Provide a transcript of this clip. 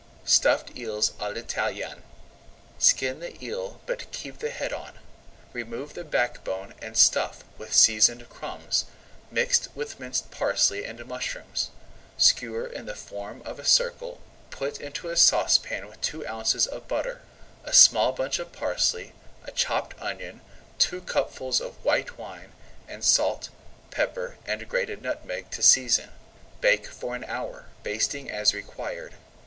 STUFFED EELS À L'ITALIENNE Skin the eel but keep the head on. Remove the back bone and stuff with seasoned crumbs, mixed with minced parsley and mushrooms. Skewer in the form of a circle; put into a saucepan with two ounces of butter, a small bunch of parsley, a chopped onion, two cupfuls of white wine, and salt, pepper, and grated nutmeg to season. Bake for an hour, basting as required.